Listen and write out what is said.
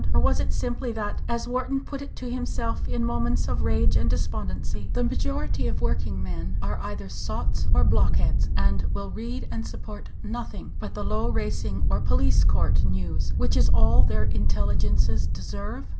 Or was it simply that, as Wharton put it to himself in moments of rage and despondency, the majority of working men "are either sots or block heads, and will read and support nothing but the low racing or police court news, which is all their intelligences deserve?"